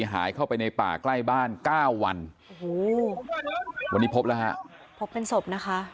หายเข้าไปในป่าใกล้บ้านเก้าวันโอ้โหวันนี้พบแล้วฮะพบเป็นศพนะคะ